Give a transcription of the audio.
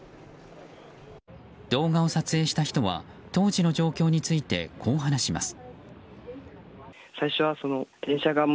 動画を撮影した人は当時の状況についてこう話します。